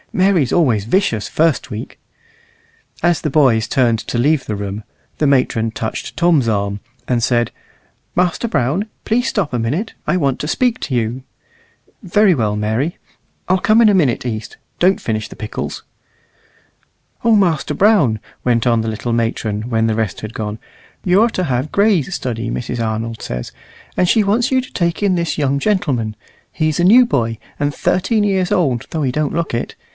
Mary's always vicious first week." As the boys turned to leave the room, the matron touched Tom's arm, and said, "Master Brown, please stop a minute; I want to speak to you." "Very well, Mary. I'll come in a minute, East. Don't finish the pickles." "O Master Brown," went on the little matron, when the rest had gone, "you're to have Gray's study, Mrs. Arnold says. And she wants you to take in this young gentleman. He's a new boy, and thirteen years old though he don't look it.